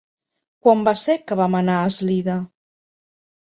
Quan va ser que vam anar a Eslida?